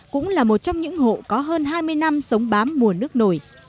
cũng là một trong những hộ có hơn hai mươi năm sống bám mùa nước nổi